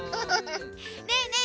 ねえねえ